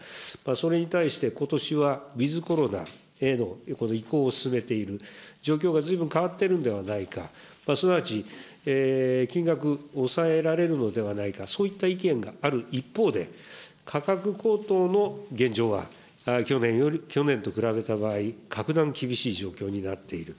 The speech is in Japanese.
それに対して、ことしはウィズコロナへの移行を進めている、状況がずいぶん変わっているんではないか、すなわち、金額を抑えられるのではないか、そういった意見がある一方で、価格高騰の現状は去年と比べた場合、格段厳しい状況になっている。